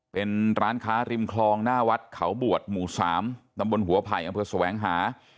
เป็นร้านค้าริมคลองหน้าวัดเขาบวชหมู่๓ตำบลหัวไผ่อำเภอแสวงหา